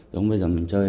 giống như bây giờ mình chơi